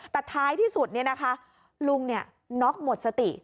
แต่ท้ายที่สุดนี่นะคะลุงนี่น็อคหมดสติ